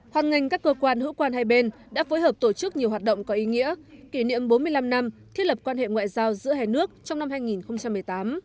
hoàn ngành các cơ quan hữu quan hai bên đã phối hợp tổ chức nhiều hoạt động có ý nghĩa kỷ niệm bốn mươi năm năm thiết lập quan hệ ngoại giao giữa hai nước trong năm hai nghìn một mươi tám